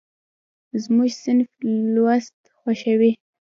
زموږ صنف لوست خوښوي.